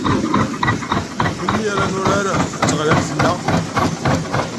Melmi ara nurar d teɣlamt-nneɣ?